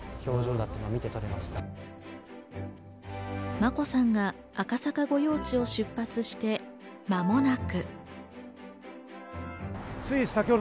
眞子さんが赤坂御用地を出発して間もなく。